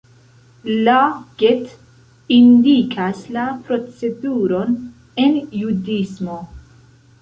La Get indikas la proceduron en judismo.